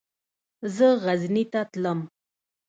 زه غزني ته تلم.